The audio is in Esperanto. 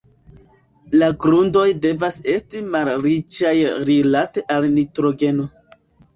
La grundoj devas esti malriĉaj rilate al nitrogeno.